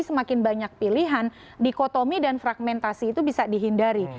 semakin banyak pilihan dikotomi dan fragmentasi itu bisa dihindari